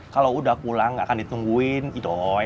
kalau udah pulang nggak akan ditungguin idoi